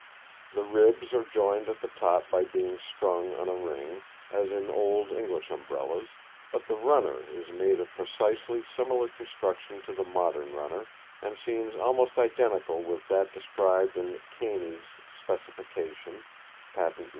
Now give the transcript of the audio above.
The ribs are joined at the top by being strung on a ring, as in old English umbrellas, but the runner is made of precisely similar construction to the modern runner, and seems almost identical with that described in Caney's Specification (patent No.